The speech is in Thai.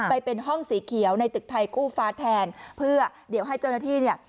ไปเป็นห้องสีเขียวในตึกไทยคู่ฟ้าแทนเพื่อเดี๋ยวให้เจ้าหน้าที่เนี่ย